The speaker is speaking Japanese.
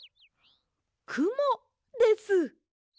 くもです。